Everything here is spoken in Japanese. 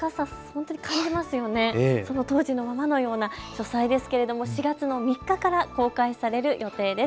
当時のままのような書斎ですけれど４月の３日から公開される予定です。